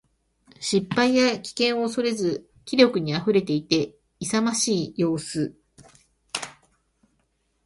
失敗や危険を恐れず気力に溢れていて、勇ましい様子。